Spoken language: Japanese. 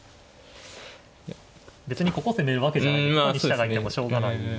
別にここ攻めるわけじゃないんでここに飛車がいてもしょうがないんで。